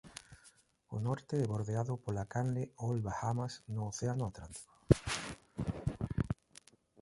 Ao norte é bordeado pola canle Old Bahamas no Océano Atlántico.